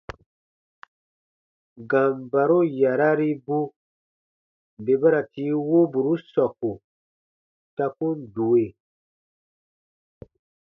Gambaro yararibu bè ba ra tii woburu sɔku ta kun due.